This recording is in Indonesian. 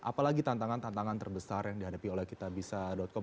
apalagi tantangan tantangan terbesar yang dihadapi oleh kitabisa com